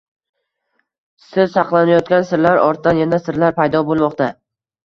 Sir saqlanayotgan sirlar ortidan yana sirlar paydo bo‘lmoqda